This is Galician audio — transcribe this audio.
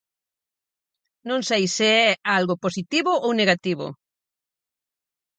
Non sei se é algo positivo ou negativo.